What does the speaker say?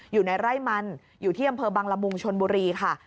อยู่ในไร่มันอยู่ที่อำเภอบังละมุงชนบุรีค่ะ